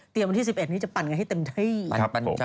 เตรียมวันที่๑๑จะปั่นไปให้เต็มได้